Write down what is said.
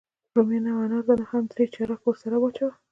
رومیان او انار دانه هم درې چارکه ورسره واچوه.